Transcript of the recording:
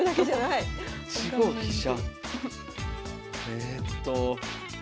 えっと。